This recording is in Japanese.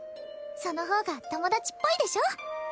そのほうが友達っぽいでしょ？